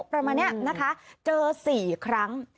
ประมาณนี้นะคะเจอ๔ครั้ง